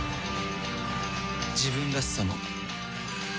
自分らしさも